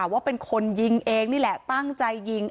ว่าเป็นคนยิงเองนี่แหละตั้งใจยิง